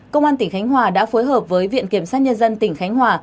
công an tỉnh khánh hòa đã phối hợp với viện kiểm sát nhân dân tỉnh khánh hòa